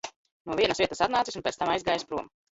No vienas vietas atnācis un pēc tam aizgājis prom.